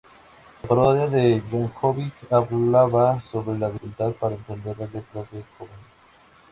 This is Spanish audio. La parodia de Yankovic hablaba sobre la dificultad para entender las letras de Cobain.